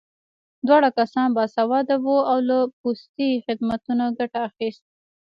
دواړه کسان باسواده وو او له پوستي خدمتونو ګټه اخیست